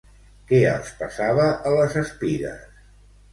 Què els passava a les espigues?